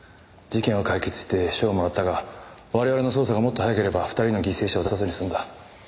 事件を解決して賞をもらったが我々の捜査がもっと早ければ２人の犠牲者を出さずに済んだ。